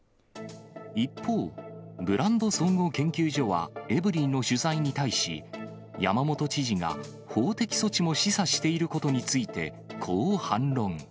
一方、ブランド総合研究所は、エブリィの取材に対し、山本知事が法的措置も示唆していることについて、こう反論。